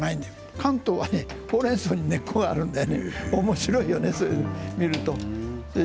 関東はほうれんそうに根っこがあるんでおもしろいよね、そう見ると。